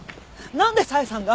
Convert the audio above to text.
なんで佐恵さんが！？